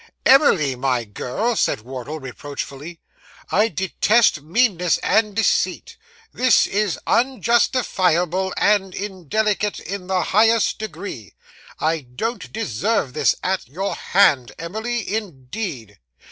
'Emily, my girl,' said Wardle reproachfully, 'I detest meanness and deceit; this is unjustifiable and indelicate in the highest degree. I don't deserve this at your hands, Emily, indeed!